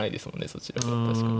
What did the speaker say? そちらでは確かに。